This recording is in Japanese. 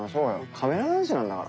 カメラ男子なんだから。